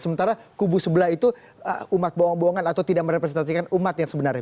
sementara kubu sebelah itu umat bohong bohongan atau tidak merepresentasikan umat yang sebenarnya